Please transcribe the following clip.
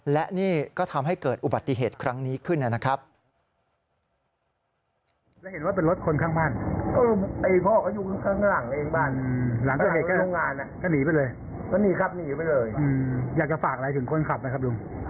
และนี่ก็ทำให้เกิดอุบัติเหตุครั้งนี้ขึ้นนะครับ